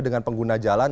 dengan pengguna jalan